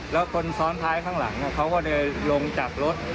แล้วคนซ้อนท้ายข้างหลังเขาก็เลยลงจากรถ